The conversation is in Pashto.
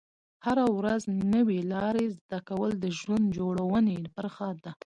هره ورځ نوې لارې زده کول د ژوند جوړونې برخه ده.